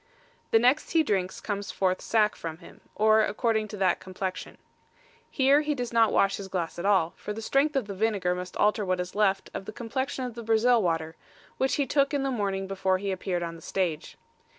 The next he drinks comes forth sack from him, or according to that complexion. Here he does not wash his glass at all; for the strength of the vinegar must alter what is left of the complexion of the Brazil water, which he took in the morning before he appeared on the stage.